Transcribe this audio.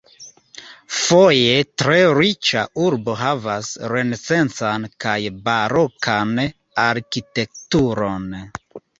Foje tre riĉa urbo havas renesancan kaj barokan arkitekturon.